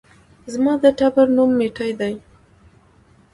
زما د ټبر نوم ميټى دى